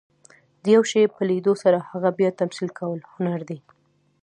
د یو شي په لیدلو سره هغه بیا تمثیل کول، هنر دئ.